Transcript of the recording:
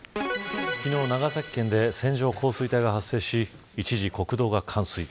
昨日、長崎県で線状降水帯が発生し一時国道が冠水。